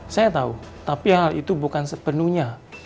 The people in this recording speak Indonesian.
saya tahu tapi hal itu bukan sepenuhnya